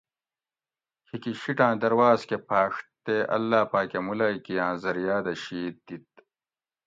کِھیکی شیٹاٞں درواٞز کٞہ پھاٞݭ تے اللّٰہ پاۤکٞہ ملائیکی آٞں ذریعاٞ دہ شِید دِت